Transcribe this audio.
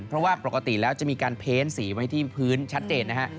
เพราะว่าปกติแล้วจะมีการเพ้นสีไว้ที่พื้นชัดเจนนะฮะ